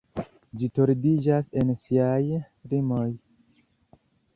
Ĝi tordiĝas en siaj limoj.